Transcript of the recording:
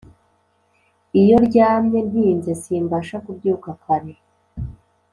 iyo ryamye ntinze simbasha kubyuka kare